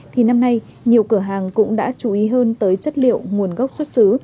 thì năm nay nhiều cửa hàng cũng đã chú ý hơn tới chất liệu nguồn gốc xuất xứ